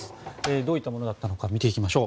どういったものだったのか見ていきましょう。